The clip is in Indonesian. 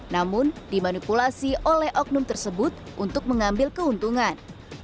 namun dimanipulasi oleh oknum tersebut untuk mengambil keuntungan